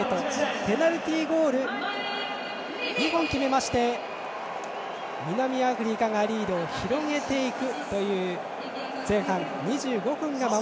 ペナルティーゴール２本決めまして南アフリカがリードを広げていく。